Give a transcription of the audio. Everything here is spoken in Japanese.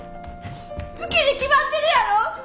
好きに決まってるやろ！